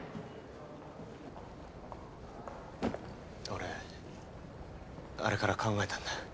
俺あれから考えたんだ。